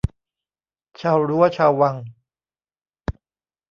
ชาวรั้วชาววัง